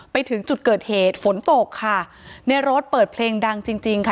ไปถึงจุดเกิดเหตุฝนตกค่ะในรถเปิดเพลงดังจริงจริงค่ะ